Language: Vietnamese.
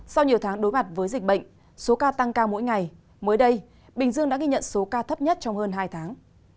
sau nhiều tháng đối mặt với dịch bệnh số ca tăng cao mỗi ngày mới đây bình dương đã ghi nhận số ca thấp nhất trong hơn hai tháng